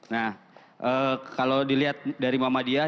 nah kalau dilihat dari muhammadiyah